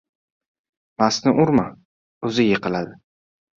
• Mastni urma, o‘zi yiqiladi.